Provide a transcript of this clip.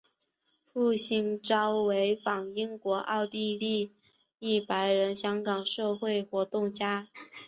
父亲邵维钫英国奥地利裔白人香港社会活动家。